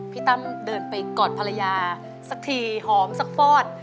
ตั้มเดินไปกอดภรรยาสักทีหอมสักฟอด